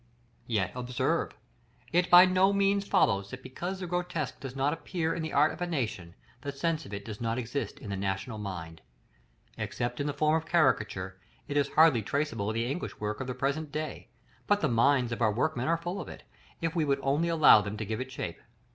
§ LXXIV. Yet, observe, it by no means follows that because the grotesque does not appear in the art of a nation, the sense of it does not exist in the national mind. Except in the form of caricature, it is hardly traceable in the English work of the present day; but the minds of our workmen are full of it, if we would only allow them to give it shape.